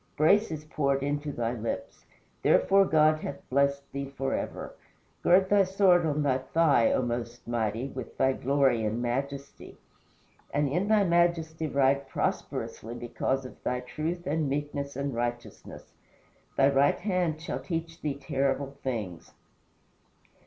Grace is poured into thy lips. Therefore God hath blessed thee forever. Gird thy sword on thy thigh, O most mighty, with thy glory and majesty. And in thy majesty ride prosperously because of thy truth and meekness and righteousness. Thy right hand shall teach thee terrible things.